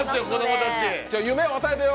夢を与えてよ？